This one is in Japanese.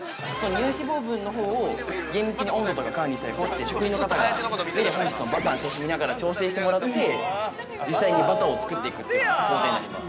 乳脂肪分のほうを厳密に温度とか管理したり、こうやって職人の方が、目で本日のバターの調子を見ながら調整してもらって、実際にバターを作っていくというような、工程になります。